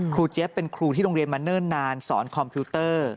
เจี๊ยบเป็นครูที่โรงเรียนมาเนิ่นนานสอนคอมพิวเตอร์